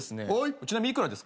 ちなみに幾らですか？